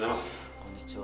こんにちは。